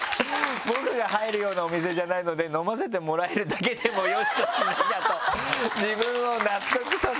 「僕が入るようなお店じゃないので飲ませてもらえるだけでも良しとしなきゃと自分を納得させています」。